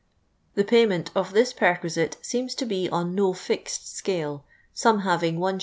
The jmunent of this pi*r quisitc seems lo be on no iixed scale, some having l.